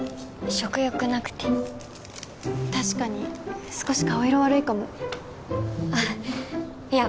食欲なくて確かに少し顔色悪いかもあいや